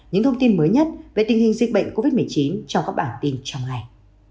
những thông tin mới nhất về tình hình dịch bệnh covid một mươi chín trong các bản tin trong ngày